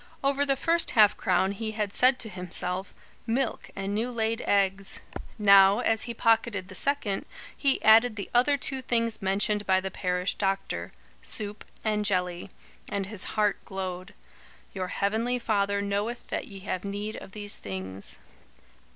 Over the first half crown he had said to himself: "Milk and new laid eggs." Now, as he pocketed the second, he added the other two things mentioned by the parish doctor: "Soup and jelly"; and his heart glowed. "Your heavenly Father knoweth that ye have need of these things."